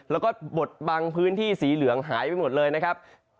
แล้วก็บดบางพื้นที่สีเหลืองหายไปหมดเลยนะครับ